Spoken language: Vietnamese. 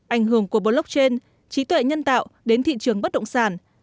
ảnh hưởng của blockchain trí tuệ nhân tạo đến thị trường bất động sản